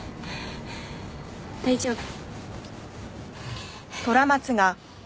大丈夫。